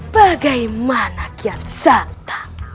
bagaimana kian santan